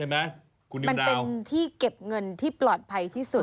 มันเป็นที่เก็บเงินที่ปลอดภัยที่สุด